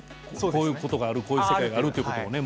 こういうことがあるこういう世界があるということをね。